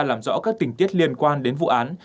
làm rõ các tình tiết liên quan đến vụ án